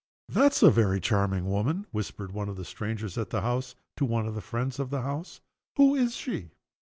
"That's a very charming woman," whispered one of the strangers at the house to one of the friends of the house. "Who is she?"